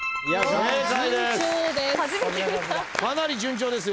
かなり順調ですよ。